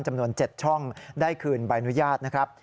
จำนวน๗ช่องได้คืนใบอนุญาตนะครับ